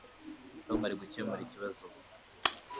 Tom arimo gukemura ikibazo ubu.